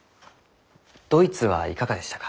ドイツはいかがでしたか？